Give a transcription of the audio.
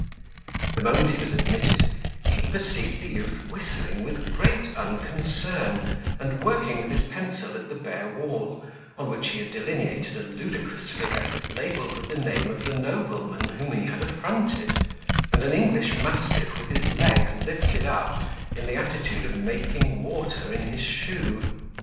The moment he was admitted, he perceived the youth whistling with great unconcern, and working with his pencil at the bare wall, on which he had delineated a ludicrous figure labelled with the name of the nobleman, whom he had affronted, and an English mastiff with his leg lifted up, in the attitude of making water in his shoe.